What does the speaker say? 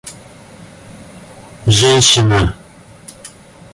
женщина